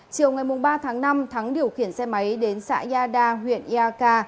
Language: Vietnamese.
chiều ngày ba tháng năm thắng điều khiển xe máy đến xã yada huyện ea ca